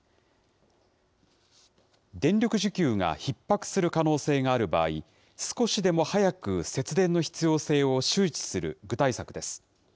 電力需給がひっ迫する可能性がある場合、少しでも早く節電の必要性を周知する具体策です。